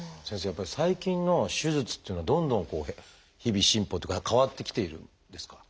やっぱり最近の手術っていうのはどんどんこう日々進歩っていうか変わってきているんですか？